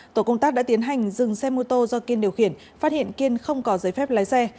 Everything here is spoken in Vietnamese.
tổ công tác đã tiến hành dừng xe mô tô do kiên điều khiển phát hiện kiên không có giấy phép lái xe